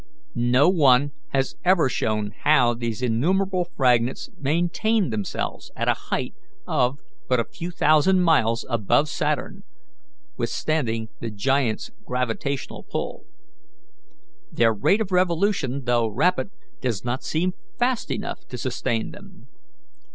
No one has ever shown how these innumerable fragments maintain themselves at a height of but a few thousand miles above Saturn, withstanding the giant's gravitation pull. Their rate of revolution, though rapid, does not seem fast enough to sustain them.